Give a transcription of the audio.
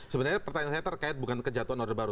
sebenarnya pertanyaan saya terkait bukan kejatuhan orde baru